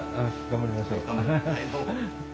頑張りましょう。